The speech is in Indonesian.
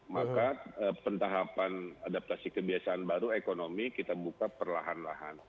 maka pentahapan adaptasi kebiasaan baru ekonomi kita buka perlahan lahan